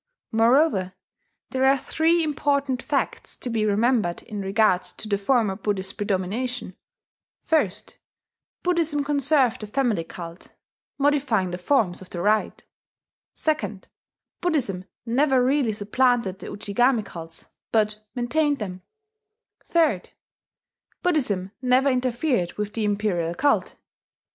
Moreover, there are three important facts to be remembered in regard to the former Buddhist predomination: (1) Buddhism conserved the family cult, modifying the forms of the rite; (2) Buddhism never really supplanted the Ujigami cults, but maintained them; (3) Buddhism never interfered with the imperial cult.